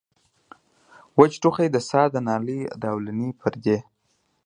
وچ ټوخی د ساه د نالۍ د اولنۍ پردې